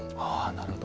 なるほど。